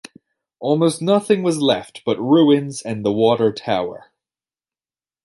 Almost nothing was left but ruins and the water tower.